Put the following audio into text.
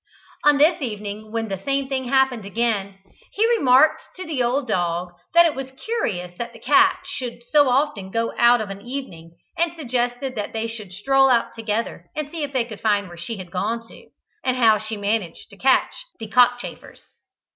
On this evening, when the same thing happened again, he remarked to the old dog that it was curious that the cat should so often go out of an evening, and suggested that they should stroll out together and see if they could find out where she had gone to, and how she managed to catch the cockchafers.